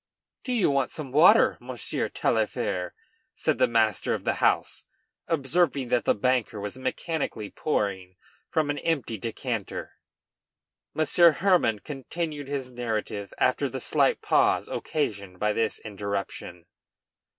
["Do you want some water, Monsieur Taillefer?" said the master of the house, observing that the banker was mechanically pouring from an empty decanter. Monsieur Hermann continued his narrative after the slight pause occasioned by this interruption.